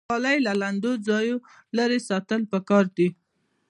غالۍ له لمدو ځایونو لرې ساتل پکار دي.